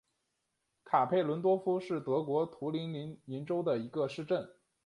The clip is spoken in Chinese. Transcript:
卡佩伦多夫是德国图林根州的一个市镇。